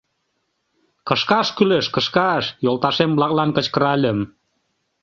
— Кышкаш кӱлеш, кышкаш, — йолташем-влаклан кычкыральым